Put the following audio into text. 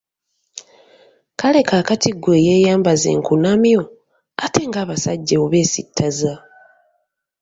Kale kaakati ggwe eyeeyambaza enkunamyo, ate nga abasajja obeesittaza!